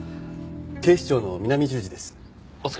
警視庁の南十字です。